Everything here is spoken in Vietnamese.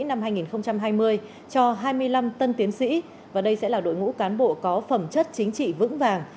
năm hai nghìn hai mươi cho hai mươi năm tân tiến sĩ và đây sẽ là đội ngũ cán bộ có phẩm chất chính trị vững vàng